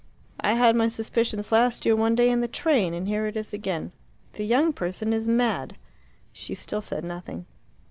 I had my suspicions last year one day in the train; and here it is again. The young person is mad." She still said nothing.